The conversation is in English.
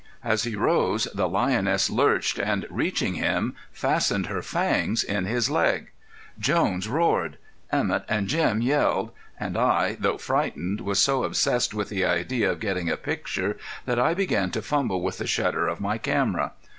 As he rose the lioness lurched, and reaching him, fastened her fangs in his leg. Jones roared. Emett and Jim yelled. And I, though frightened, was so obsessed with the idea of getting a picture that I began to fumble with the shutter of my camera.